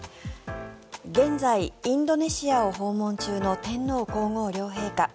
現在、インドネシアを訪問中の天皇・皇后両陛下。